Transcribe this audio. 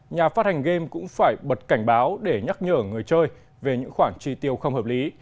nhà phát hành game cũng phải bật cảnh báo để nhắc nhở người chơi về những khoản chi tiêu không hợp lý